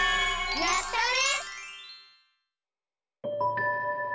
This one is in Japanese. やったね！